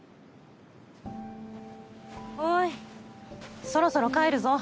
おいそろそろ帰るぞ。